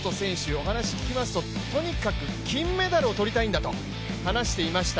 お話聞きますととにかく、金メダルをとりたいんだと話していました。